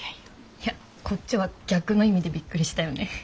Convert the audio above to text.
いやこっちは逆の意味でびっくりしたよね。